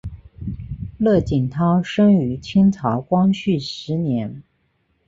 乐景涛生于清朝光绪十年。